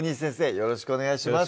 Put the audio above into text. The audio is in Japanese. よろしくお願いします